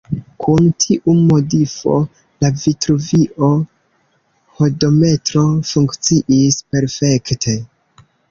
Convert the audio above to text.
Kun tiu modifo, la Vitruvio-hodometro funkciis perfekte.